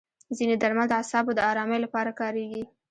ځینې درمل د اعصابو د ارامۍ لپاره کارېږي.